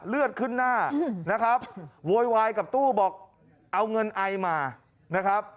เลือดขึ้นหน้านะครับโวยวายกับตู้บอกเอาเงินไอมานะครับ